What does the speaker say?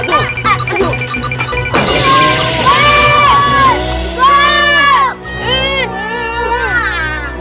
kita balas mereka